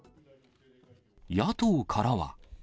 野党からは。